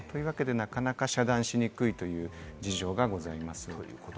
なかなか遮断しにくいという事情がございます。